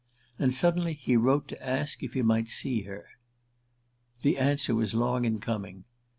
And suddenly he wrote to ask if he might see her. ... The answer was long in coming.